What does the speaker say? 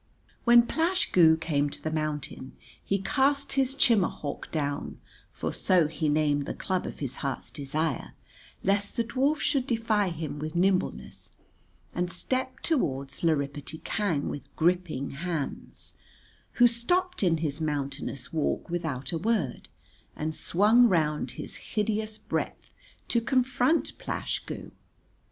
When Plash Goo came to the mountain he cast his chimahalk down (for so he named the club of his heart's desire) lest the dwarf should defy him with nimbleness; and stepped towards Lrippity Kang with gripping hands, who stopped in his mountainous walk without a word, and swung round his hideous breadth to confront Plash Goo.